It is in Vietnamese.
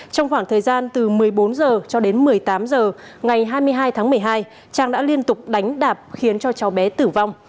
trong khoảng thời gian từ một mươi bốn h cho đến một mươi tám h ngày hai mươi hai tháng một mươi hai trang đã liên tục đánh đạp khiến cho cháu bé tử vong